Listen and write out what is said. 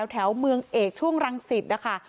แถวเมืองเอกช่วงรังสิตนะคะ